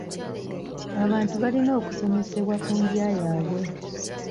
Abantu balina okusomesebwa ku ndya yaabwe.